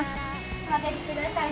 お上がりください。